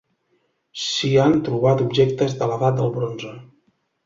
S'hi han trobat objectes de l'edat del Bronze.